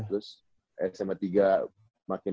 terus sma tiga makin